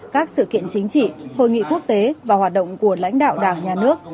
các sự kiện chính trị hội nghị quốc tế và hoạt động của lãnh đạo đảng nhà nước